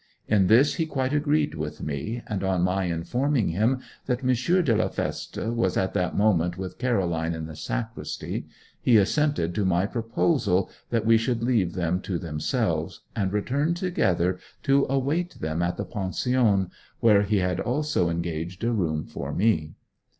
In this he quite agreed with me, and on my informing him that M. de la Feste was at that moment with Caroline in the sacristy, he assented to my proposal that we should leave them to themselves, and return together to await them at the pension, where he had also engaged a room for me.